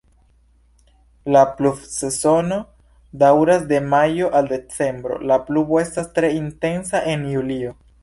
La pluvsezono daŭras de majo al decembro, la pluvo estas tre intensa en julio.